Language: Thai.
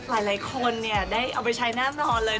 แล้วหลายคนเนี่ยได้เอาไปใช้หน้ามองเลย